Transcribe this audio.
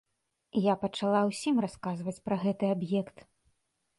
Я пачала ўсім расказваць пра гэты аб'ект.